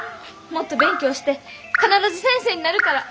もっと勉強して必ず先生になるから。